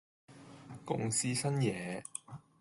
共試新嘢